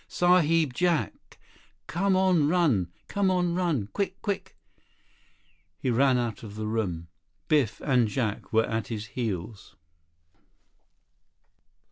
"Sahib Jack! Come on run! Come on run! Quick! Quick!" He ran out of the room. Biff and Jack were at his heels.